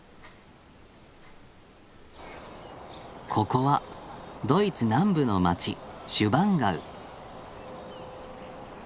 ここはドイツ南部の町シュバンガウ。